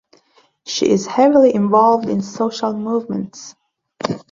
She is heavily involved in social movements.